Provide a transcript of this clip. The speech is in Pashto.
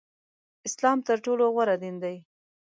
اسلام تر ټولو غوره دین دی